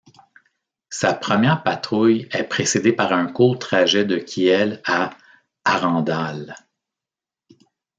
Sa première patrouille est précédée par un court trajet de Kiel à Arendal.